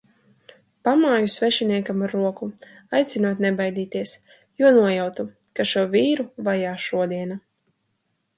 Pamāju svešiniekam ar roku, aicinot nebaidīties, jo nojautu, ka šo vīru vajā šodiena.